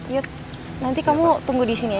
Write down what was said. yud nanti kamu tunggu disini aja ya